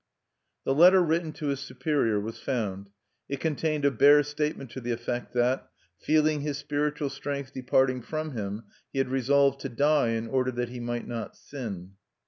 The letter written to his superior was found. It contained a bare statement to the effect that, feeling his spiritual strength departing from him, he had resolved to die in order that he might not sin.